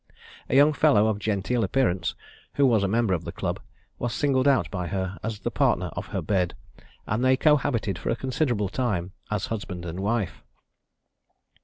A young fellow of genteel appearance, who was a member of the club, was singled out by her as the partner of her bed; and they cohabited for a considerable time as husband and wife.